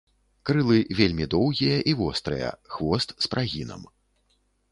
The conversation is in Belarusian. Крылы вельмі доўгія і вострыя, хвост з прагінам.